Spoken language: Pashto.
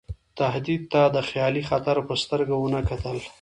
تهدید ته د خیالي خطر په سترګه ونه کتل.